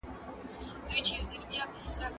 مشرانو وویل چي د کندهار پښتو زموږ د ژبي ستن ده.